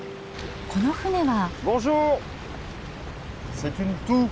この船は？